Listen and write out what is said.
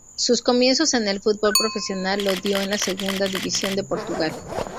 Sus comienzos en el fútbol profesional lo dio en la Segunda División de Portugal.